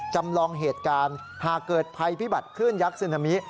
จำลองเหตุการณ์หากเกิดภัยพิบัติคลื่นยักษ์ซึนามิ